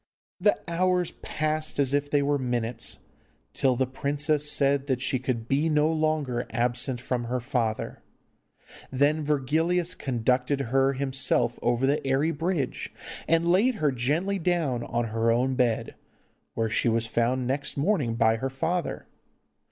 The hours passed as if they were minutes, till the princess said that she could be no longer absent from her father. Then Virgilius conducted her himself over the airy bridge, and laid her gently down on her own bed, where she was found next morning by her father.